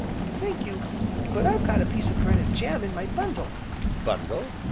"Thank you, but I've got a piece of bread an' jam in my bundle, " "Bundle?"